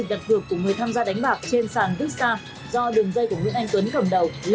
cũng tới gần hai tỷ đồng